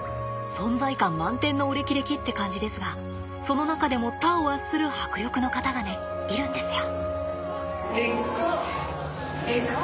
存在感満点のお歴々って感じですがその中でも他を圧する迫力の方がねいるんですよ。